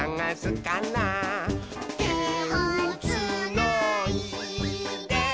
「てをつないで」